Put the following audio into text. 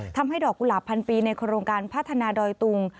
ทำให้ดอกกุหลาบพันปีในโครงการพัฒนาดอยตุง